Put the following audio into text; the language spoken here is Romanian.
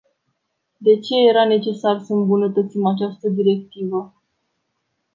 De ce era necesar să îmbunătățim această directivă?